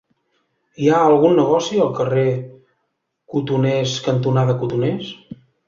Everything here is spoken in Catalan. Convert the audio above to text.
Hi ha algun negoci al carrer Cotoners cantonada Cotoners?